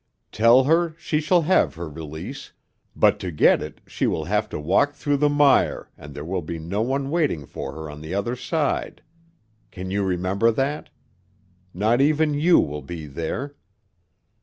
"Tell her she shall have her release, but to get it she will have to walk through the mire and there will be no one waiting for her on the other side. Can you remember that? Not even you will be there."